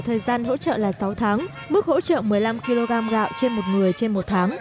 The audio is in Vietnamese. thời gian hỗ trợ là sáu tháng mức hỗ trợ một mươi năm kg gạo trên một người trên một tháng